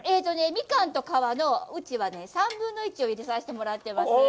ミカンと皮のうちは３分の１を入れさせてもらってます。